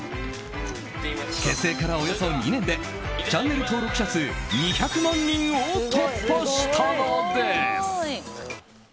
結成から、およそ２年でチャンネル登録者数２００万人を突破したのです。